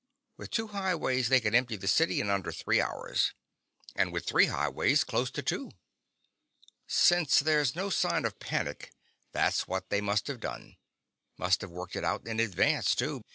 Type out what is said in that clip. With two highways they could empty the city in under three hours, and with three highways close to two. Since there's no sign of panic, that's what they must have done. Must have worked it out in advance, too.